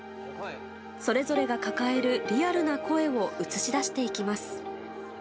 それぞれが抱えるリアルな声を映し出していきます。